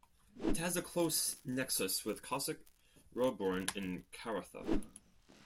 It has a close nexus with Cossack, Roebourne and Karratha.